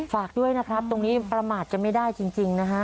ฝากด้วยนะครับตรงนี้ประมาทกันไม่ได้จริงนะฮะ